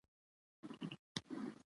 خدمت د ټولنیز نظم برخه ده.